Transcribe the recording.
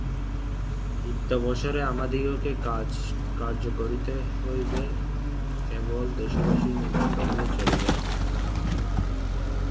ইত্যবসরে আমাদিগকে কার্য করিতে হইবে, কেবল দেশবাসীর নিন্দা করিলে চলিবে না।